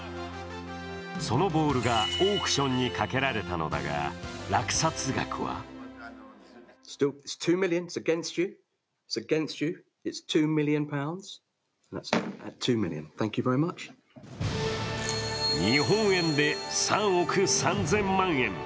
そのボールがオークションにかけられたのだが、落札額は日本円で３億３０００万円。